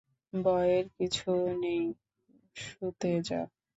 ভয়ের কিছু নেই, শুতে যা।